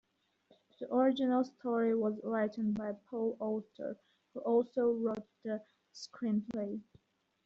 The original story was written by Paul Auster, who also wrote the screenplay.